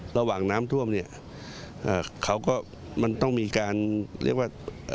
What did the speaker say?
ระหว่างน้ำท่วมเนี่ยเขาก็มันต้องมีการเรียกว่า